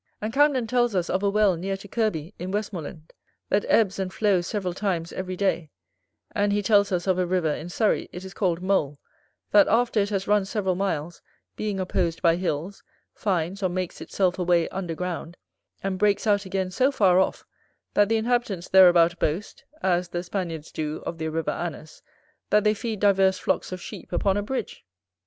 And Camden tells us of a well near to Kirby, in Westmoreland, that ebbs and flows several times every day: and he tells us of a river in Surrey, it is called Mole, that after it has run several miles, being opposed by hills, finds or makes itself a way under ground, and breaks out again so far off, that the inhabitants thereabout boast, as the Spaniards do of their river Anus, that they feed divers flocks of sheep upon a bridge.